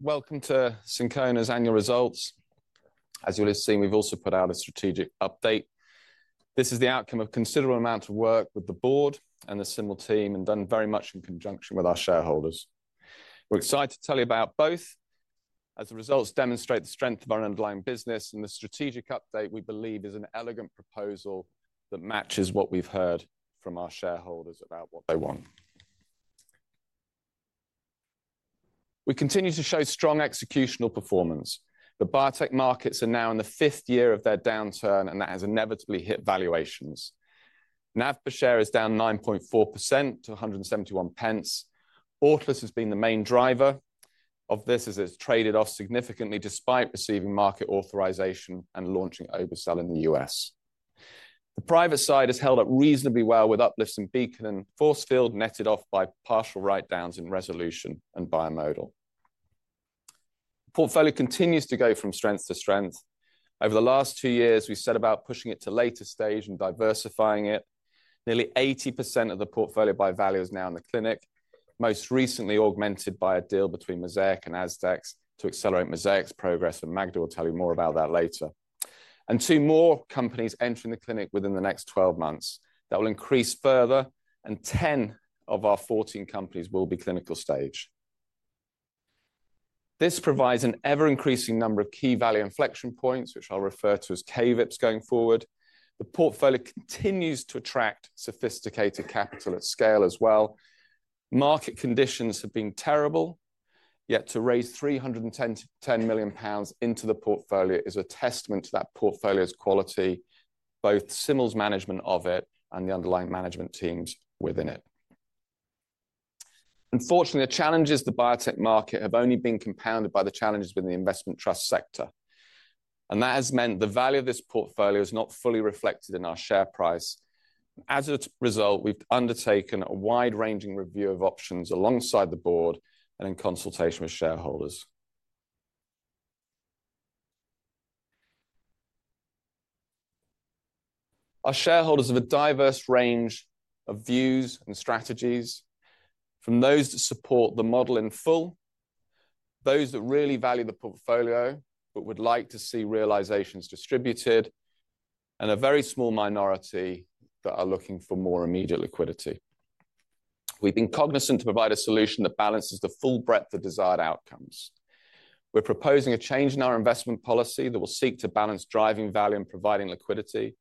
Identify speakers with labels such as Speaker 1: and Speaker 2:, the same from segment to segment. Speaker 1: Welcome to Syncona's annual results. As you'll have seen, we've also put out a strategic update. This is the outcome of a considerable amount of work with the board and the Syncona team, and done very much in conjunction with our shareholders. We're excited to tell you about both, as the results demonstrate the strength of our underlying business and the strategic update we believe is an elegant proposal that matches what we've heard from our shareholders about what they want. We continue to show strong executional performance. The biotech markets are now in the fifth year of their downturn, and that has inevitably hit valuations. NAV per share is down 9.4% to 171 pence. Autolus has been the main driver of this, as it's traded off significantly despite receiving market authorization and launching Oversell in the U.S. The private side has held up reasonably well with uplifts in Beacon and Forcefield, netted off by partial write-downs in Resolution and Biomodal. The portfolio continues to go from strength to strength. Over the last two years, we set about pushing it to later stage and diversifying it. Nearly 80% of the portfolio by value is now in the clinic, most recently augmented by a deal between Mosaic and AstraZeneca to accelerate Mosaic's progress, and Magda will tell you more about that later. Two more companies entering the clinic within the next 12 months will increase that further, and 10 of our 14 companies will be clinical stage. This provides an ever-increasing number of key value inflection points, which I'll refer to as KVIPs going forward. The portfolio continues to attract sophisticated capital at scale as well. Market conditions have been terrible, yet to raise 310 million pounds into the portfolio is a testament to that portfolio's quality, both Syncona's management of it and the underlying management teams within it. Unfortunately, the challenges of the biotech market have only been compounded by the challenges within the investment trust sector. That has meant the value of this portfolio is not fully reflected in our share price. As a result, we've undertaken a wide-ranging review of options alongside the board and in consultation with shareholders. Our shareholders have a diverse range of views and strategies, from those that support the model in full, those that really value the portfolio but would like to see realizations distributed, and a very small minority that are looking for more immediate liquidity. We've been cognizant to provide a solution that balances the full breadth of desired outcomes. We're proposing a change in our investment policy that will seek to balance driving value and providing liquidity,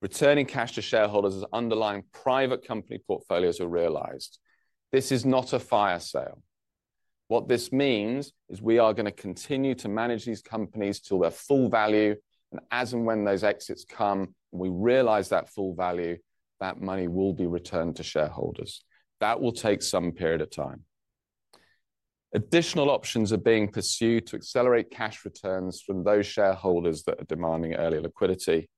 Speaker 1: returning cash to shareholders as underlying private company portfolios are realized. This is not a fire sale. What this means is we are going to continue to manage these companies till their full value, and as and when those exits come, we realize that full value, that money will be returned to shareholders. That will take some period of time. Additional options are being pursued to accelerate cash returns from those shareholders that are demanding early liquidity.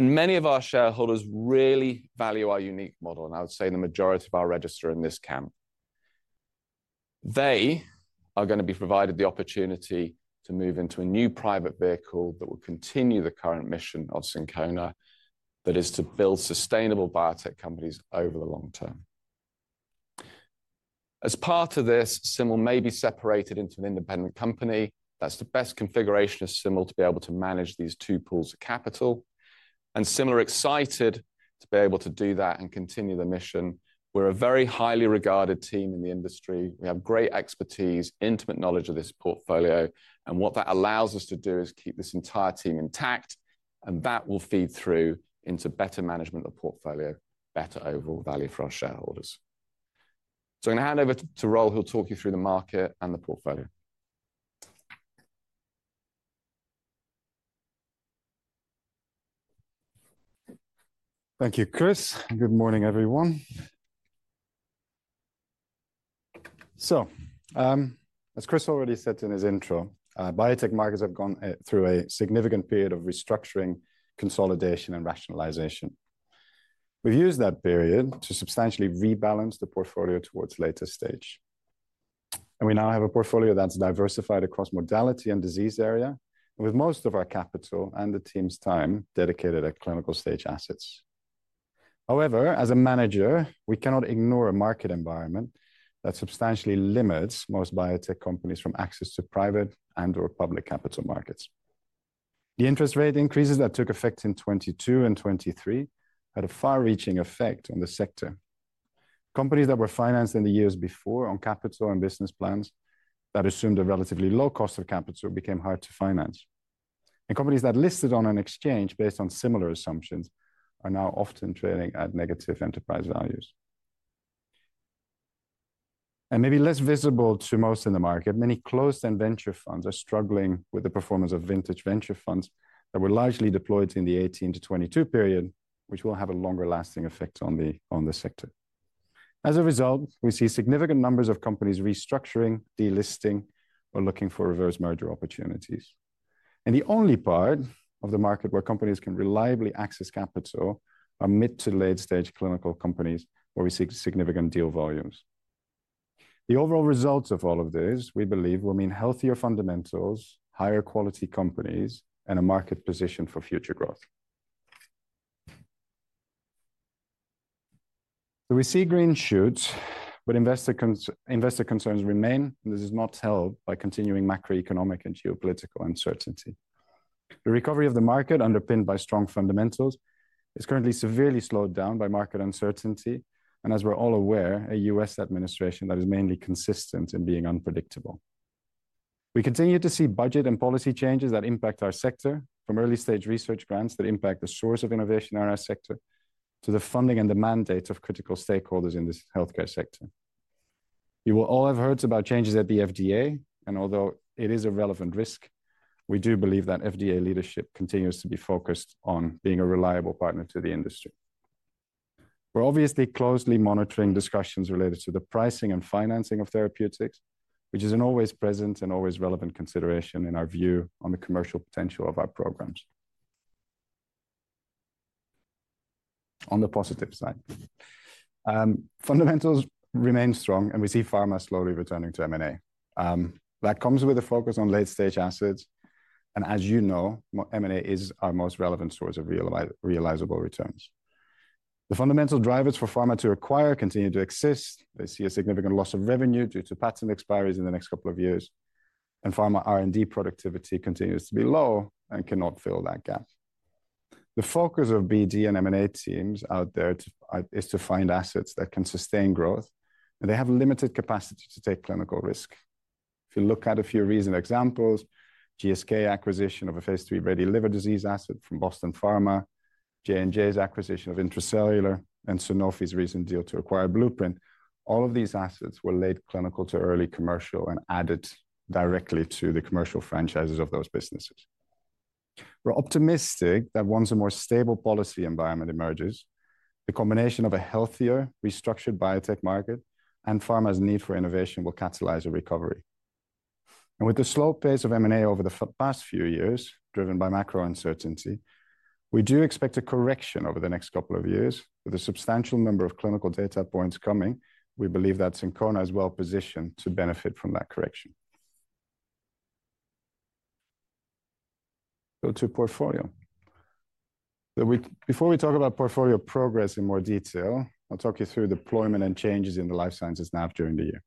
Speaker 1: Many of our shareholders really value our unique model, and I would say the majority of our register are in this camp. They are going to be provided the opportunity to move into a new private vehicle that will continue the current mission of Syncona, that is to build sustainable biotech companies over the long term. As part of this, Simil may be separated into an independent company. That is the best configuration of Simil to be able to manage these two pools of capital. Simil are excited to be able to do that and continue the mission. We are a very highly regarded team in the industry. We have great expertise, intimate knowledge of this portfolio, and what that allows us to do is keep this entire team intact, and that will feed through into better management of the portfolio, better overall value for our shareholders. I am going to hand over to Roel, who will talk you through the market and the portfolio.
Speaker 2: Thank you, Chris. Good morning, everyone. As Chris already said in his intro, biotech markets have gone through a significant period of restructuring, consolidation, and rationalization. We have used that period to substantially rebalance the portfolio towards later stage. We now have a portfolio that is diversified across modality and disease area, with most of our capital and the team's time dedicated at clinical stage assets. However, as a manager, we cannot ignore a market environment that substantially limits most biotech companies from access to private and/or public capital markets. The interest rate increases that took effect in 2022 and 2023 had a far-reaching effect on the sector. Companies that were financed in the years before on capital and business plans that assumed a relatively low cost of capital became hard to finance. Companies that listed on an exchange based on similar assumptions are now often trading at negative enterprise values. Maybe less visible to most in the market, many closed-end venture funds are struggling with the performance of vintage venture funds that were largely deployed in the 2018 to 2022 period, which will have a longer-lasting effect on the sector. As a result, we see significant numbers of companies restructuring, delisting, or looking for reverse merger opportunities. The only part of the market where companies can reliably access capital are mid to late-stage clinical companies, where we see significant deal volumes. The overall results of all of this, we believe, will mean healthier fundamentals, higher-quality companies, and a market position for future growth. We see green shoots, but investor concerns remain, and this is not helped by continuing macroeconomic and geopolitical uncertainty. The recovery of the market, underpinned by strong fundamentals, is currently severely slowed down by market uncertainty, and as we're all aware, a U.S. administration that is mainly consistent in being unpredictable. We continue to see budget and policy changes that impact our sector, from early-stage research grants that impact the source of innovation in our sector to the funding and the mandates of critical stakeholders in this healthcare sector. You will all have heard about changes at the FDA, and although it is a relevant risk, we do believe that FDA leadership continues to be focused on being a reliable partner to the industry. We're obviously closely monitoring discussions related to the pricing and financing of therapeutics, which is an always-present and always-relevant consideration in our view on the commercial potential of our programs. On the positive side, fundamentals remain strong, and we see pharma slowly returning to M&A. That comes with a focus on late-stage assets, and as you know, M&A is our most relevant source of realizable returns. The fundamental drivers for pharma to acquire continue to exist. They see a significant loss of revenue due to patent expiries in the next couple of years, and pharma R&D productivity continues to be low and cannot fill that gap. The focus of BD and M&A teams out there is to find assets that can sustain growth, and they have limited capacity to take clinical risk. If you look at a few recent examples, GSK acquisition of a phase III ready liver disease asset from Boston Pharma, J&J's acquisition of Intra-Cellular Therapies, and Sanofi's recent deal to acquire Blueprint Medicines, all of these assets were late clinical to early commercial and added directly to the commercial franchises of those businesses. We're optimistic that once a more stable policy environment emerges, the combination of a healthier, restructured biotech market and pharma's need for innovation will catalyze a recovery. With the slow pace of M&A over the past few years, driven by macro uncertainty, we do expect a correction over the next couple of years. With a substantial number of clinical data points coming, we believe that Syncona is well positioned to benefit from that correction. To portfolio. Before we talk about portfolio progress in more detail, I'll talk you through deployment and changes in the life sciences NAV during the year.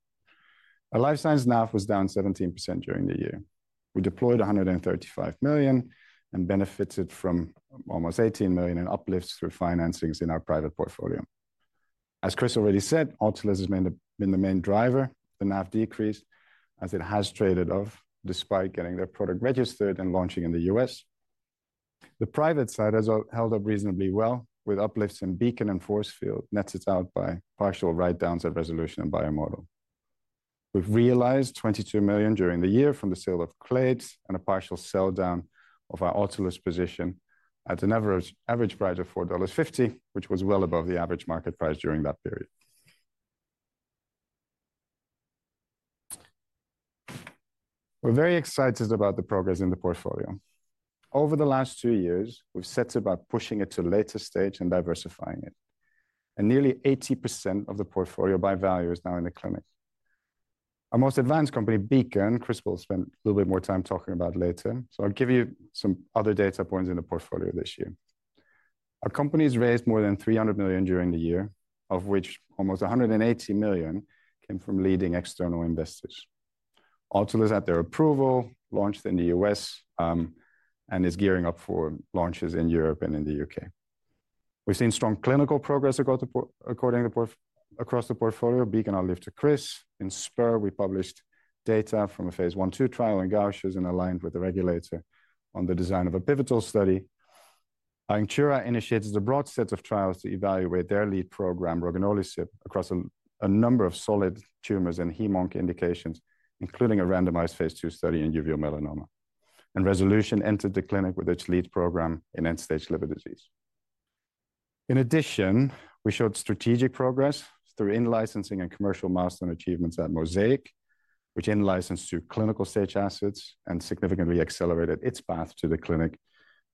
Speaker 2: Our life science NAV was down 17% during the year. We deployed 135 million and benefited from almost 18 million in uplifts through financings in our private portfolio. As Chris already said, Autolus has been the main driver. The NAV decreased as it has traded off despite getting their product registered and launching in the US. The private side has held up reasonably well, with uplifts in Beacon and Forcefield, netted out by partial write-downs at Resolution and Biomodal. We've realized 22 million during the year from the sale of Clades and a partial sell down of our Autolus position at an average price of $4.50, which was well above the average market price during that period. We're very excited about the progress in the portfolio. Over the last two years, we've set about pushing it to later stage and diversifying it. Nearly 80% of the portfolio by value is now in the clinic. Our most advanced company, Beacon, Chris will spend a little bit more time talking about later, so I'll give you some other data points in the portfolio this year. Our company has raised more than 300 million during the year, of which almost 180 million came from leading external investors. Autolus had their approval, launched in the U.S., and is gearing up for launches in Europe and in the U.K. We've seen strong clinical progress according to the portfolio. Beacon I'll leave to Chris. In Spur, we published data from a phase I-II trial in Gaucher disease and aligned with the regulator on the design of a pivotal study. Incura initiated a broad set of trials to evaluate their lead program, Roginolisib, across a number of solid tumors and hem-onc indications, including a randomized phase II study in uveal melanoma. Resolution entered the clinic with its lead program in end-stage liver disease. In addition, we showed strategic progress through in-licensing and commercial milestone achievements at Mosaic, which in-licensed two clinical stage assets and significantly accelerated its path to the clinic.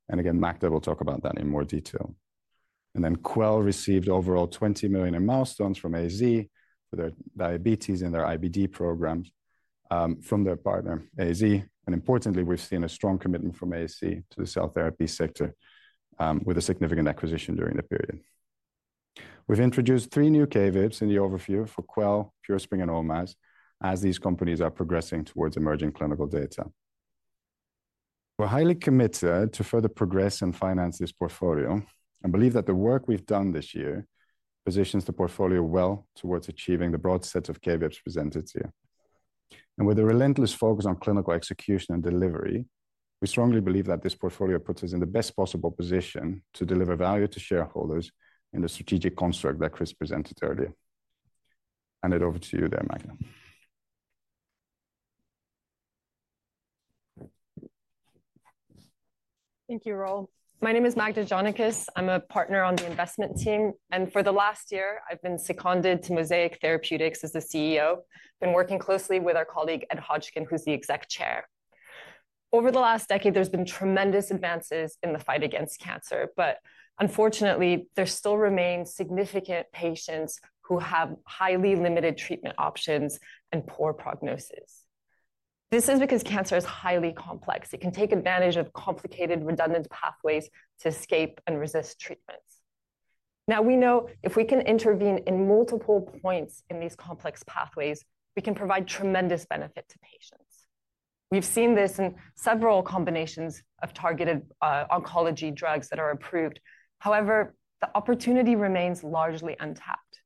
Speaker 2: Magda will talk about that in more detail. Quell received overall 20 million in milestones from AZ for their diabetes and their IBD programs from their partner, AZ. Importantly, we've seen a strong commitment from AZ to the cell therapy sector with a significant acquisition during the period. We have introduced three new KVIPs in the overview for Quell, PureSpring, and OMAS as these companies are progressing towards emerging clinical data. We are highly committed to further progress and finance this portfolio and believe that the work we've done this year positions the portfolio well towards achieving the broad sets of KVIPs presented here. With a relentless focus on clinical execution and delivery, we strongly believe that this portfolio puts us in the best possible position to deliver value to shareholders in the strategic construct that Chris presented earlier. I hand it over to you there, Magda.
Speaker 3: Thank you, Roel. My name is Magda Jonikas. I'm a partner on the investment team. For the last year, I've been seconded to Mosaic Therapeutics as the CEO. I've been working closely with our colleague Ed Hodgkin, who's the exec chair. Over the last decade, there's been tremendous advances in the fight against cancer, but unfortunately, there still remain significant patients who have highly limited treatment options and poor prognosis. This is because cancer is highly complex. It can take advantage of complicated redundant pathways to escape and resist treatments. Now, we know if we can intervene in multiple points in these complex pathways, we can provide tremendous benefit to patients. We've seen this in several combinations of targeted oncology drugs that are approved. However, the opportunity remains largely untapped.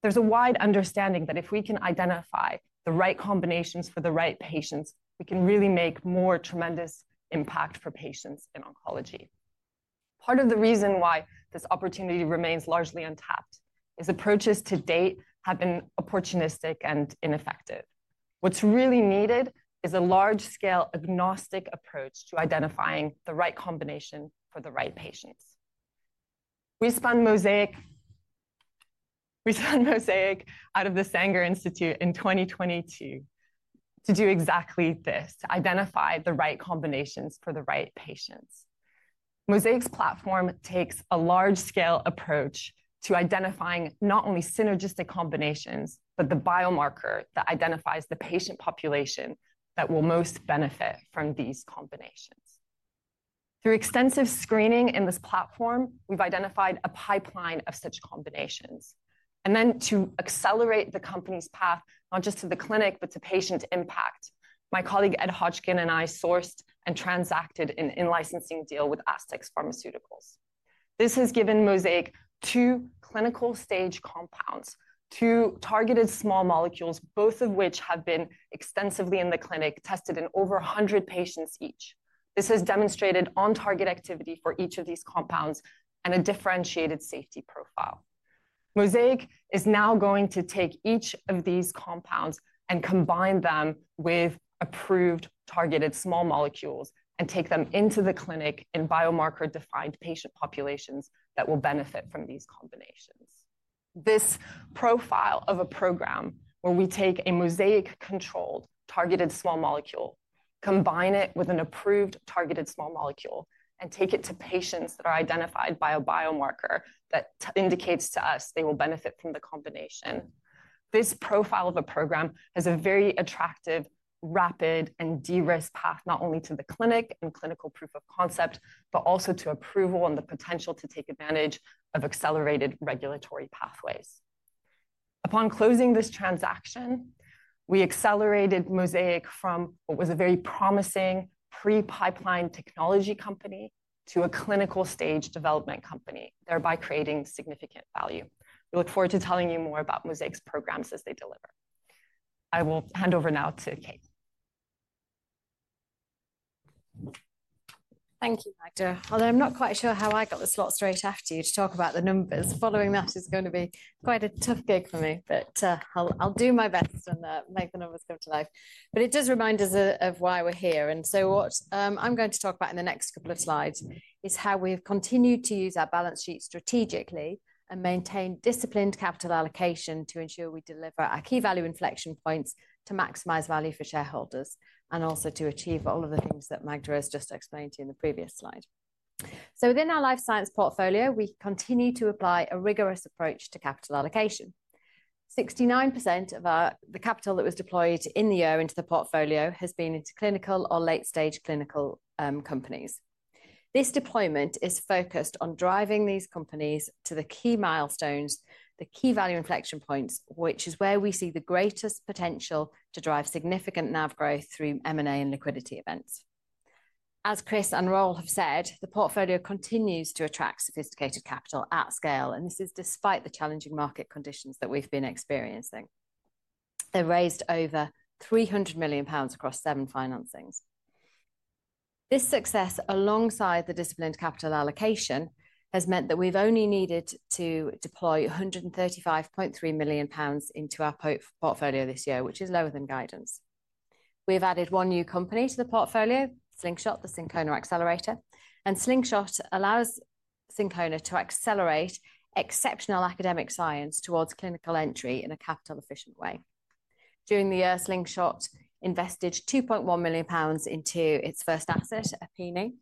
Speaker 3: There's a wide understanding that if we can identify the right combinations for the right patients, we can really make more tremendous impact for patients in oncology. Part of the reason why this opportunity remains largely untapped is approaches to date have been opportunistic and ineffective. What's really needed is a large-scale agnostic approach to identifying the right combination for the right patients. We spun Mosaic out of the Sanger Institute in 2022 to do exactly this, to identify the right combinations for the right patients. Mosaic's platform takes a large-scale approach to identifying not only synergistic combinations, but the biomarker that identifies the patient population that will most benefit from these combinations. Through extensive screening in this platform, we've identified a pipeline of such combinations. To accelerate the company's path, not just to the clinic, but to patient impact, my colleague Ed Hodgkin and I sourced and transacted an in-licensing deal with Astex Pharmaceuticals. This has given Mosaic two clinical stage compounds, two targeted small molecules, both of which have been extensively in the clinic, tested in over 100 patients each. This has demonstrated on-target activity for each of these compounds and a differentiated safety profile. Mosaic is now going to take each of these compounds and combine them with approved targeted small molecules and take them into the clinic in biomarker-defined patient populations that will benefit from these combinations. This profile of a program where we take a Mosaic-controlled targeted small molecule, combine it with an approved targeted small molecule, and take it to patients that are identified by a biomarker that indicates to us they will benefit from the combination. This profile of a program has a very attractive, rapid, and de-risked path not only to the clinic and clinical proof of concept, but also to approval and the potential to take advantage of accelerated regulatory pathways. Upon closing this transaction, we accelerated Mosaic from what was a very promising pre-pipeline technology company to a clinical-stage development company, thereby creating significant value. We look forward to telling you more about Mosaic's programs as they deliver. I will hand over now to Kate.
Speaker 4: Thank you, Magda. Although I'm not quite sure how I got the slot straight after you to talk about the numbers, following that is going to be quite a tough gig for me, but I'll do my best and make the numbers come to life. It does remind us of why we're here. What I'm going to talk about in the next couple of slides is how we've continued to use our balance sheet strategically and maintain disciplined capital allocation to ensure we deliver our key value inflection points to maximize value for shareholders and also to achieve all of the things that Magda has just explained to you in the previous slide. Within our life science portfolio, we continue to apply a rigorous approach to capital allocation. 69% of the capital that was deployed in the year into the portfolio has been into clinical or late-stage clinical companies. This deployment is focused on driving these companies to the key milestones, the key value inflection points, which is where we see the greatest potential to drive significant NAV growth through M&A and liquidity events. As Chris and Roel have said, the portfolio continues to attract sophisticated capital at scale, and this is despite the challenging market conditions that we've been experiencing. They've raised over 300 million pounds across seven financings. This success, alongside the disciplined capital allocation, has meant that we've only needed to deploy 135.3 million pounds into our portfolio this year, which is lower than guidance. We have added one new company to the portfolio, Slingshot, the Syncona Accelerator. Slingshot allows Syncona to accelerate exceptional academic science towards clinical entry in a capital-efficient way. During the year, Slingshot invested 2.1 million pounds into its first asset, Apini,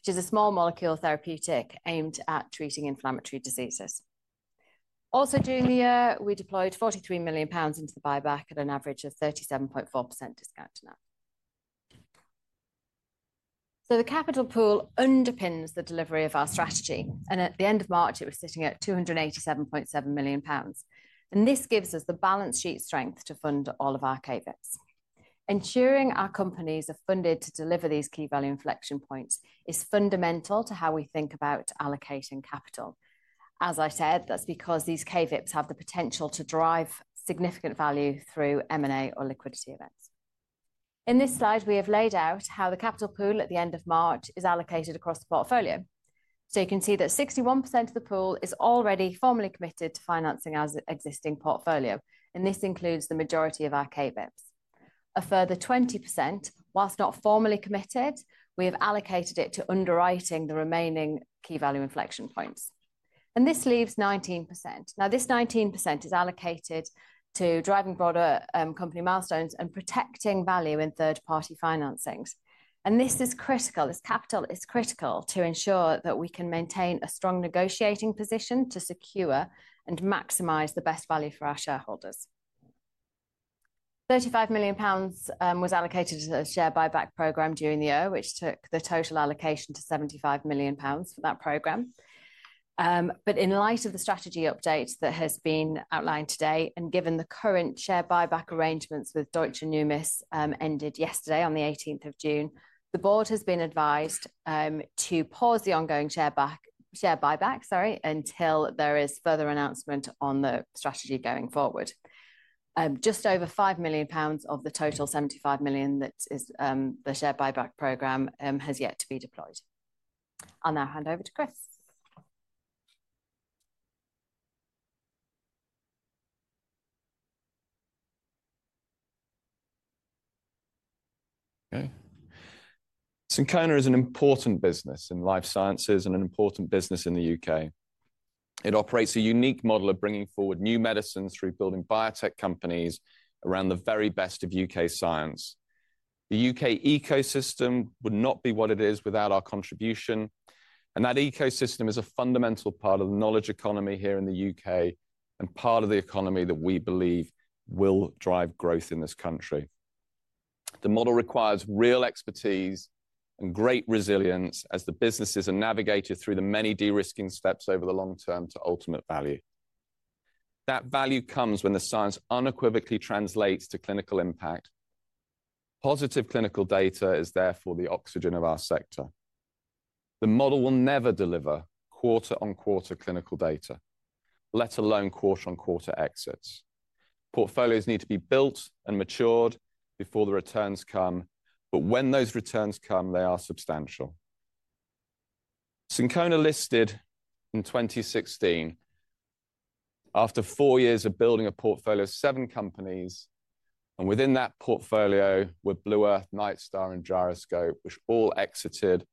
Speaker 4: which is a small molecule therapeutic aimed at treating inflammatory diseases. Also during the year, we deployed 43 million pounds into the buyback at an average of 37.4% discount to NAV. The capital pool underpins the delivery of our strategy, and at the end of March, it was sitting at 287.7 million pounds. This gives us the balance sheet strength to fund all of our KVIPs. Ensuring our companies are funded to deliver these key value inflection points is fundamental to how we think about allocating capital. As I said, that's because these KVIPs have the potential to drive significant value through M&A or liquidity events. In this slide, we have laid out how the capital pool at the end of March is allocated across the portfolio. You can see that 61% of the pool is already formally committed to financing our existing portfolio, and this includes the majority of our KVIPs. A further 20%, whilst not formally committed, we have allocated it to underwriting the remaining key value inflection points. This leaves 19%. Now, this 19% is allocated to driving broader company milestones and protecting value in third-party financings. This is critical. This capital is critical to ensure that we can maintain a strong negotiating position to secure and maximize the best value for our shareholders. 35 million pounds was allocated to the share buyback program during the year, which took the total allocation to 75 million pounds for that program. In light of the strategy updates that have been outlined today and given the current share buyback arrangements with Deutsche Numis ended yesterday on the 18th of June, the board has been advised to pause the ongoing share buyback, sorry, until there is further announcement on the strategy going forward. Just over 5 million pounds of the total 75 million that is the share buyback program has yet to be deployed. I'll now hand over to Chris.
Speaker 1: Okay. Syncona is an important business in life sciences and an important business in the U.K. It operates a unique model of bringing forward new medicines through building biotech companies around the very best of U.K. science. The U.K. ecosystem would not be what it is without our contribution. That ecosystem is a fundamental part of the knowledge economy here in the U.K. and part of the economy that we believe will drive growth in this country. The model requires real expertise and great resilience as the businesses are navigated through the many de-risking steps over the long term to ultimate value. That value comes when the science unequivocally translates to clinical impact. Positive clinical data is therefore the oxygen of our sector. The model will never deliver quarter-on-quarter clinical data, let alone quarter-on-quarter exits. Portfolios need to be built and matured before the returns come. When those returns come, they are substantial. Syncona listed in 2016 after four years of building a portfolio of seven companies. Within that portfolio were BluEarth, Nightstar, and Gyroscope, which all exited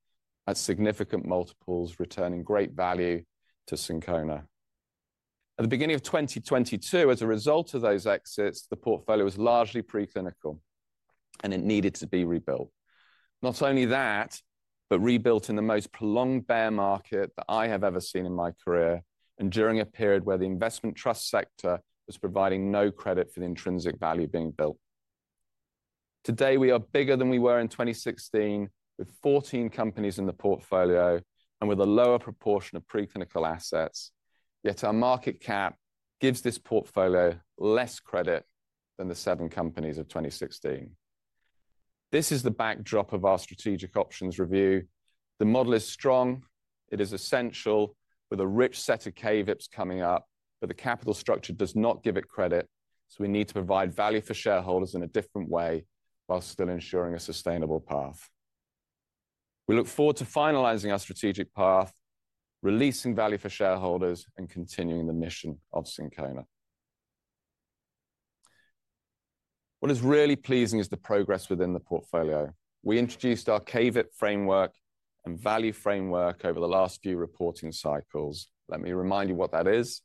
Speaker 1: at significant multiples, returning great value to Syncona. At the beginning of 2022, as a result of those exits, the portfolio was largely pre-clinical, and it needed to be rebuilt. Not only that, but rebuilt in the most prolonged bear market that I have ever seen in my career and during a period where the investment trust sector was providing no credit for the intrinsic value being built. Today, we are bigger than we were in 2016, with 14 companies in the portfolio and with a lower proportion of pre-clinical assets. Yet our market cap gives this portfolio less credit than the seven companies of 2016. This is the backdrop of our strategic options review. The model is strong. It is essential, with a rich set of KVIPs coming up, but the capital structure does not give it credit. We need to provide value for shareholders in a different way while still ensuring a sustainable path. We look forward to finalizing our strategic path, releasing value for shareholders, and continuing the mission of Syncona. What is really pleasing is the progress within the portfolio. We introduced our KVIP framework and value framework over the last few reporting cycles. Let me remind you what that is.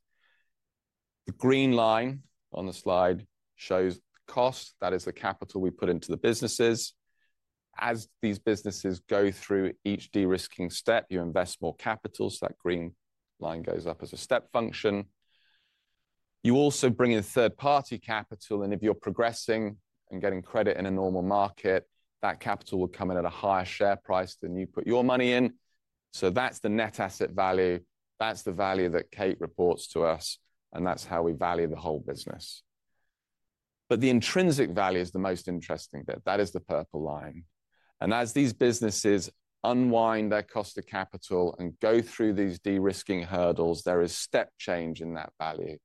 Speaker 1: The green line on the slide shows cost. That is the capital we put into the businesses. As these businesses go through each de-risking step, you invest more capital. That green line goes up as a step function. You also bring in third-party capital. If you're progressing and getting credit in a normal market, that capital will come in at a higher share price than you put your money in. That is the net asset value. That is the value that Kate reports to us. That is how we value the whole business. The intrinsic value is the most interesting bit. That is the purple line. As these businesses unwind their cost of capital and go through these de-risking hurdles, there is step change in that value.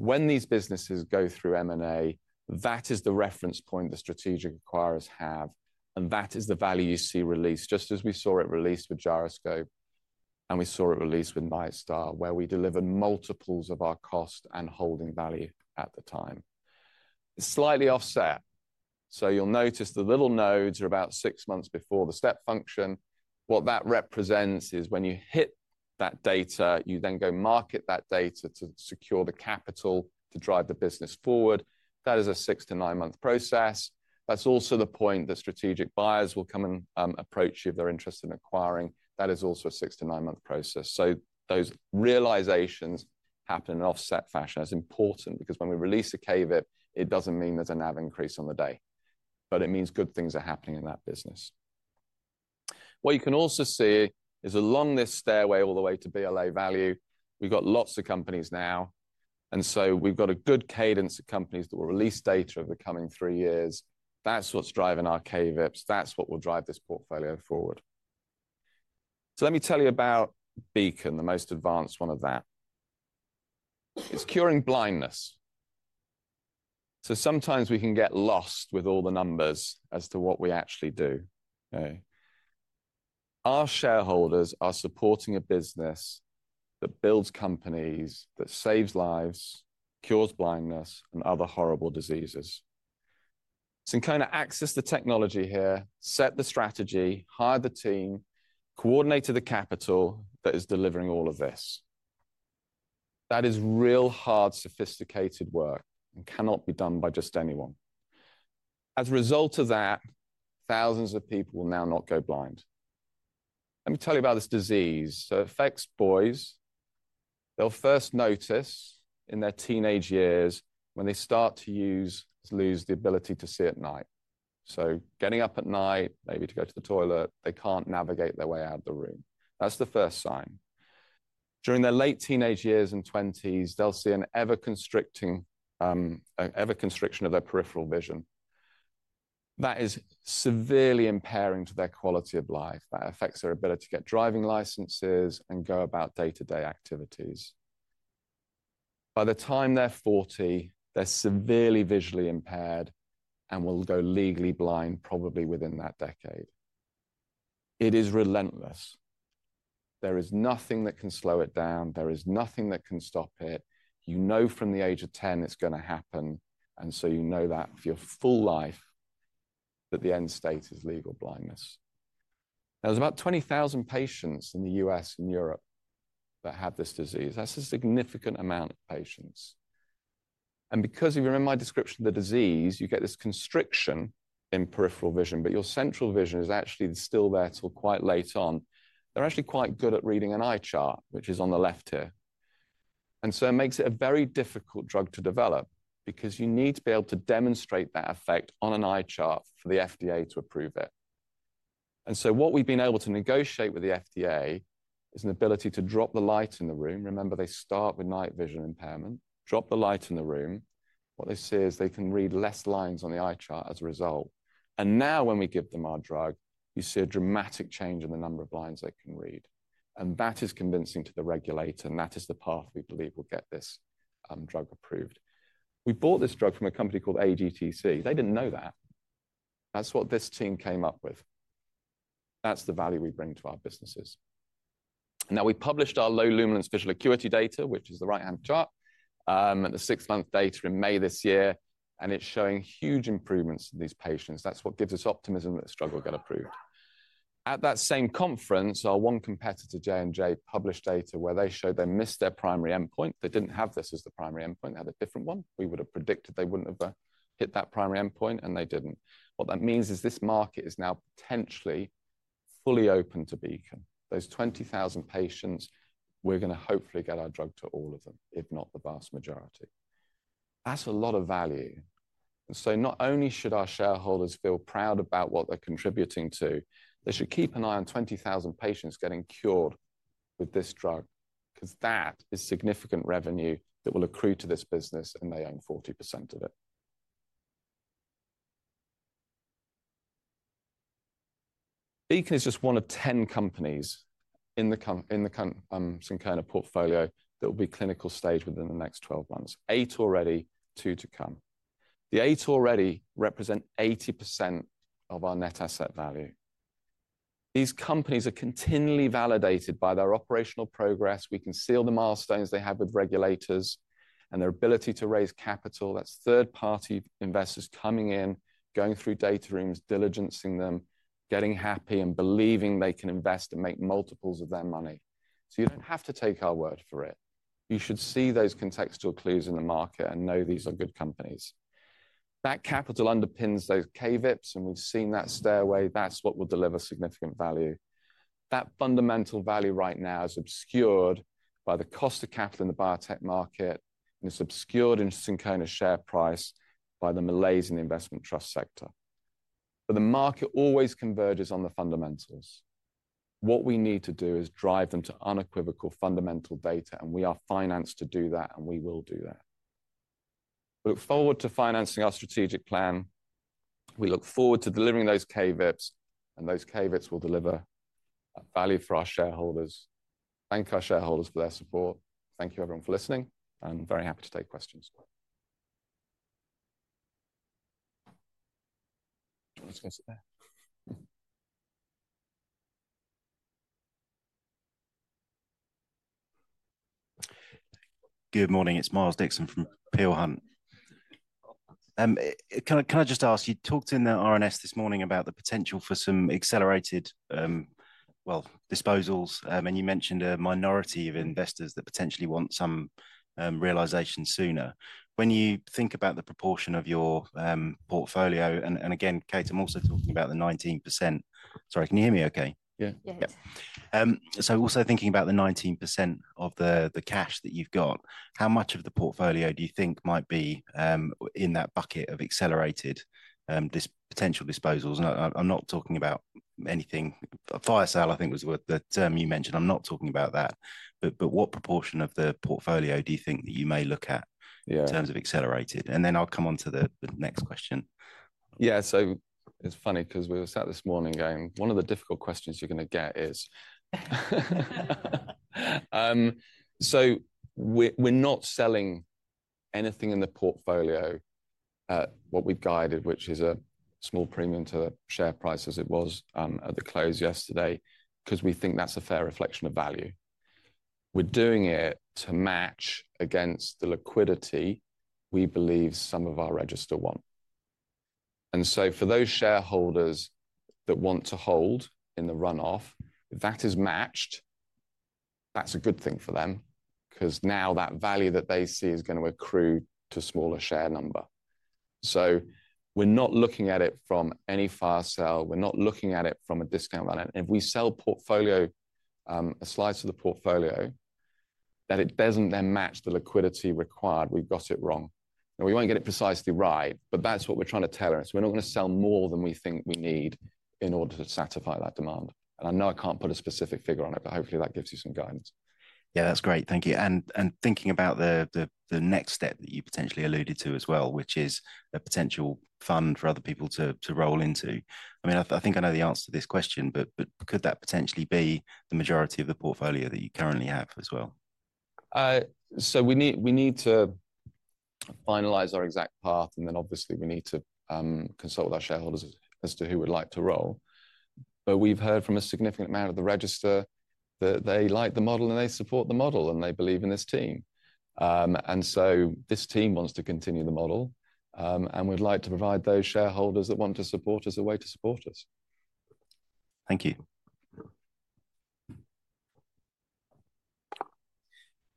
Speaker 1: When these businesses go through M&A, that is the reference point the strategic acquirers have. That is the value you see released, just as we saw it released with Gyroscope. We saw it released with Nightstar, where we delivered multiples of our cost and holding value at the time. It's slightly offset. You'll notice the little nodes are about six months before the step function. What that represents is when you hit that data, you then go market that data to secure the capital to drive the business forward. That is a six to nine-month process. That's also the point that strategic buyers will come and approach you if they're interested in acquiring. That is also a six to nine-month process. Those realizations happen in an offset fashion. That's important because when we release a KVIP, it doesn't mean there's a NAV increase on the day, but it means good things are happening in that business. What you can also see is along this stairway all the way to BLA value, we've got lots of companies now. We've got a good cadence of companies that will release data over the coming three years. That's what's driving our KVIPs. That's what will drive this portfolio forward. Let me tell you about Beacon, the most advanced one of that. It's curing blindness. Sometimes we can get lost with all the numbers as to what we actually do. Our shareholders are supporting a business that builds companies, that saves lives, cures blindness, and other horrible diseases. Syncona accessed the technology here, set the strategy, hired the team, coordinated the capital that is delivering all of this. That is real hard, sophisticated work and cannot be done by just anyone. As a result of that, thousands of people will now not go blind. Let me tell you about this disease. It affects boys. They'll first notice in their teenage years when they start to lose the ability to see at night. Getting up at night, maybe to go to the toilet, they can't navigate their way out of the room. That's the first sign. During their late teenage years and 20s, they'll see an ever-constricting ever-constriction of their peripheral vision. That is severely impairing to their quality of life. That affects their ability to get driving licenses and go about day-to-day activities. By the time they're 40, they're severely visually impaired and will go legally blind probably within that decade. It is relentless. There is nothing that can slow it down. There is nothing that can stop it. You know from the age of 10 it's going to happen. And you know that for your full life that the end state is legal blindness. There's about 20,000 patients in the US and Europe that have this disease. That's a significant amount of patients. Because if you remember my description of the disease, you get this constriction in peripheral vision, but your central vision is actually still there till quite late on. They're actually quite good at reading an eye chart, which is on the left here. It makes it a very difficult drug to develop because you need to be able to demonstrate that effect on an eye chart for the FDA to approve it. What we've been able to negotiate with the FDA is an ability to drop the light in the room. Remember, they start with night vision impairment. Drop the light in the room. What they see is they can read fewer lines on the eye chart as a result. Now when we give them our drug, you see a dramatic change in the number of lines they can read. That is convincing to the regulator. That is the path we believe will get this drug approved. We bought this drug from a company called AGTC. They did not know that. That is what this team came up with. That is the value we bring to our businesses. Now we published our low luminance visual acuity data, which is the right-hand chart, the six-month data in May this year. It is showing huge improvements in these patients. That is what gives us optimism that the struggle will get approved. At that same conference, our one competitor, J&J, published data where they showed they missed their primary endpoint. They did not have this as the primary endpoint. They had a different one. We would have predicted they would not have hit that primary endpoint, and they did not. What that means is this market is now potentially fully open to Beacon. Those 20,000 patients, we're going to hopefully get our drug to all of them, if not the vast majority. That's a lot of value. Not only should our shareholders feel proud about what they're contributing to, they should keep an eye on 20,000 patients getting cured with this drug because that is significant revenue that will accrue to this business, and they own 40% of it. Beacon is just one of 10 companies in the Syncona portfolio that will be clinical stage within the next 12 months. Eight already, two to come. The eight already represent 80% of our net asset value. These companies are continually validated by their operational progress. We can see the milestones they have with regulators and their ability to raise capital. That's third-party investors coming in, going through data rooms, diligencing them, getting happy and believing they can invest and make multiples of their money. You do not have to take our word for it. You should see those contextual clues in the market and know these are good companies. That capital underpins those KVIPs, and we've seen that stairway. That is what will deliver significant value. That fundamental value right now is obscured by the cost of capital in the biotech market, and it is obscured in Syncona's share price by the Malaysian investment trust sector. The market always converges on the fundamentals. What we need to do is drive them to unequivocal fundamental data. We are financed to do that, and we will do that. Look forward to financing our strategic plan. We look forward to delivering those KVIPs, and those KVIPs will deliver value for our shareholders. Thank our shareholders for their support. Thank you, everyone, for listening. Very happy to take questions.
Speaker 5: Good morning. It's Miles Dixon from Peel Hunt. Can I just ask? You talked in the R&S this morning about the potential for some accelerated, well, disposals. And you mentioned a minority of investors that potentially want some realization sooner. When you think about the proportion of your portfolio, and again, Kate, I'm also talking about the 19%. Sorry, can you hear me okay?
Speaker 1: Yeah.
Speaker 5: Yeah. Also thinking about the 19% of the cash that you've got, how much of the portfolio do you think might be in that bucket of accelerated, this potential disposals? I'm not talking about anything. Fire sale, I think was the term you mentioned. I'm not talking about that. What proportion of the portfolio do you think that you may look at in terms of accelerated? Then I'll come on to the next question.
Speaker 1: Yeah. It's funny because we were sat this morning going, one of the difficult questions you're going to get is. We're not selling anything in the portfolio at what we've guided, which is a small premium to the share price as it was at the close yesterday because we think that's a fair reflection of value. We're doing it to match against the liquidity we believe some of our register want. For those shareholders that want to hold in the runoff, if that is matched, that's a good thing for them because now that value that they see is going to accrue to a smaller share number. We're not looking at it from any fire sale. We're not looking at it from a discount value. If we sell a slice of the portfolio, that it doesn't then match the liquidity required, we've got it wrong. Now, we will not get it precisely right, but that is what we are trying to tailor. We are not going to sell more than we think we need in order to satisfy that demand. I know I cannot put a specific figure on it, but hopefully that gives you some guidance.
Speaker 5: Yeah, that's great. Thank you. And thinking about the next step that you potentially alluded to as well, which is a potential fund for other people to roll into. I mean, I think I know the answer to this question, but could that potentially be the majority of the portfolio that you currently have as well?
Speaker 1: We need to finalize our exact path. Obviously, we need to consult with our shareholders as to who would like to roll. We've heard from a significant amount of the register that they like the model and they support the model and they believe in this team. This team wants to continue the model. We'd like to provide those shareholders that want to support us a way to support us.
Speaker 5: Thank you.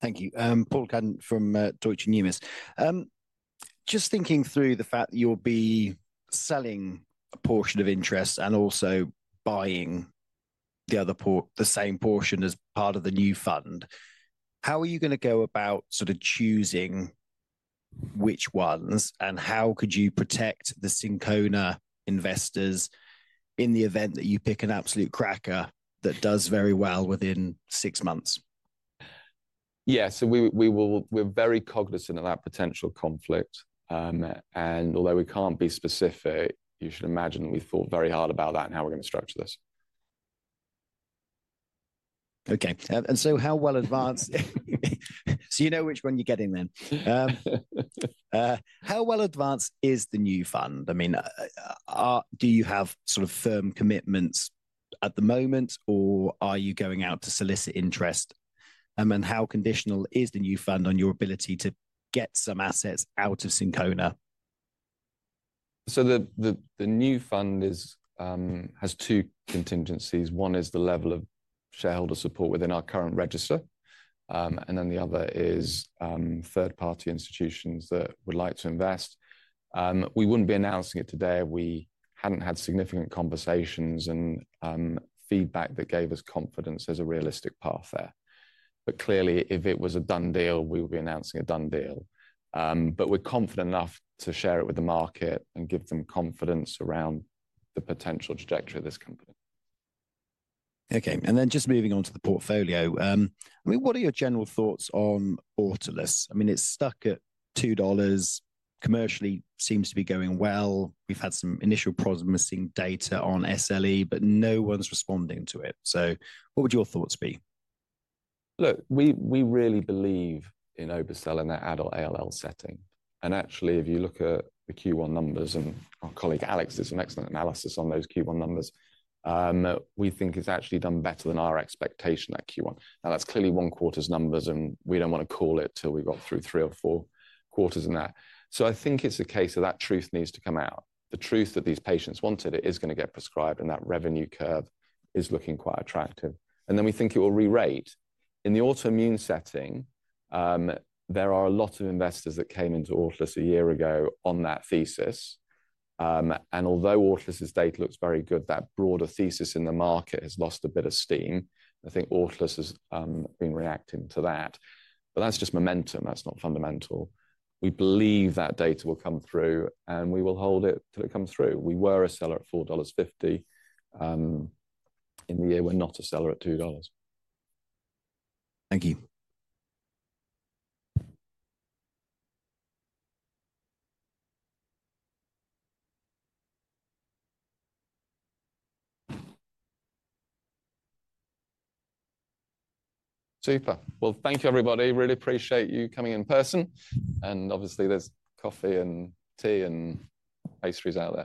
Speaker 6: Thank you. Paul Cuddon from Deutsche Numis. Just thinking through the fact that you'll be selling a portion of interest and also buying the same portion as part of the new fund, how are you going to go about sort of choosing which ones? How could you protect the Syncona investors in the event that you pick an absolute cracker that does very well within six months?
Speaker 1: Yeah. We are very cognizant of that potential conflict. Although we cannot be specific, you should imagine that we have thought very hard about that and how we are going to structure this.
Speaker 6: Okay. And so how well advanced? So you know which one you're getting then. How well advanced is the new fund? I mean, do you have sort of firm commitments at the moment, or are you going out to solicit interest? And then how conditional is the new fund on your ability to get some assets out of Syncona?
Speaker 1: The new fund has two contingencies. One is the level of shareholder support within our current register. The other is third-party institutions that would like to invest. We would not be announcing it today if we had not had significant conversations and feedback that gave us confidence as a realistic path there. Clearly, if it was a done deal, we would be announcing a done deal. We are confident enough to share it with the market and give them confidence around the potential trajectory of this company.
Speaker 6: Okay. And then just moving on to the portfolio. I mean, what are your general thoughts on Autolus? I mean, it's stuck at $2. Commercially, it seems to be going well. We've had some initial problems seeing data on SLE, but no one's responding to it. So what would your thoughts be?
Speaker 1: Look, we really believe in Oversell in that adult ALL setting. Actually, if you look at the Q1 numbers, and our colleague Alex did some excellent analysis on those Q1 numbers, we think it's actually done better than our expectation at Q1. Now, that's clearly one quarter's numbers, and we don't want to call it till we've got through three or four quarters in that. I think it's a case of that truth needs to come out. The truth that these patients wanted, it is going to get prescribed, and that revenue curve is looking quite attractive. We think it will re-rate. In the autoimmune setting, there are a lot of investors that came into Autolus a year ago on that thesis. Although Autolus's data looks very good, that broader thesis in the market has lost a bit of steam. I think Autolus has been reacting to that. That is just momentum. That is not fundamental. We believe that data will come through, and we will hold it till it comes through. We were a seller at $4.50 in the year. We are not a seller at $2.
Speaker 6: Thank you.
Speaker 1: Super. Thank you, everybody. Really appreciate you coming in person. Obviously, there's coffee and tea and pastries out.